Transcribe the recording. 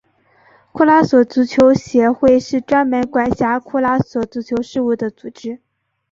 库拉索足球协会是专门管辖库拉索足球事务的组织。